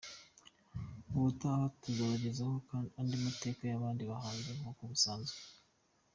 Ubutaha tukazabagezaho andi mateka y’abandi bahanzi nk’uko bisanzwe.